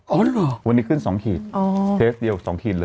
เหรอวันนี้ขึ้น๒ขีดเคสเดียว๒ขีดเลย